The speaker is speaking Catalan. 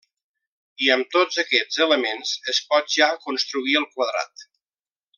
I amb tots aquests elements es pot ja construir el quadrat.